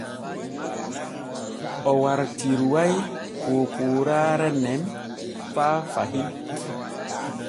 O wartiruway poopooraare nen faa fahin.